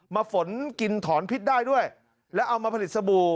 ฝนกินถอนพิษได้ด้วยแล้วเอามาผลิตสบู่